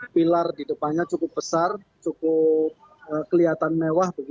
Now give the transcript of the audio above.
pilar di depannya cukup besar cukup kelihatan mewah